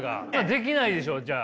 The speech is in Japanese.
できないでしょじゃあ。